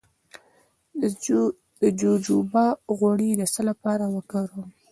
د جوجوبا غوړي د څه لپاره وکاروم؟